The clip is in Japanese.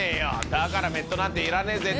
「だからメットなんていらねえぜ」